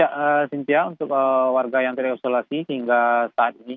ya sintia untuk warga yang terisolasi hingga saat ini